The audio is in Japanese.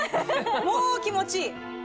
もう気持ちいい！